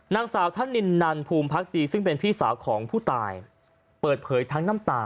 นางสาวท่านินนันภูมิพักดีซึ่งเป็นพี่สาวของผู้ตายเปิดเผยทั้งน้ำตา